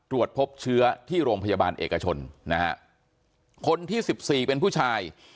รวดพบเชื้อที่โรงพยาบาลเอกชนคนที่๑๔เป็นผู้ชาย